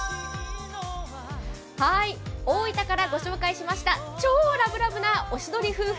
大分からご紹介しました超ラブラブなおしどり夫婦。